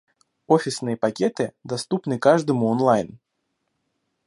Офисные пакеты доступны каждому онлайн.